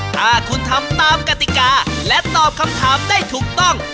ถ้าคุณทำตามกติกาและตอบคำถามได้ถูกต้อง